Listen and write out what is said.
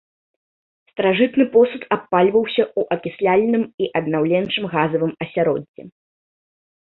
Старажытны посуд абпальваўся ў акісляльным і аднаўленчым газавым асяроддзі.